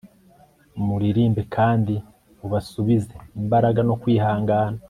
Muririmbe kandi mubasubize imbaraga no kwihangana